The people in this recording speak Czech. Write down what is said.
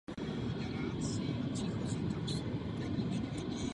Ve vyhnanství se seznámil se zástupci litevské inteligence.